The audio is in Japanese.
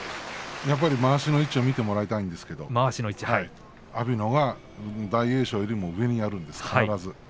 やっぱりまわしの位置を見てもらいたいんですけれども阿炎のほうが大栄翔よりも上にあるんです、必ず。